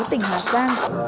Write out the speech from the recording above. tỉnh hà giang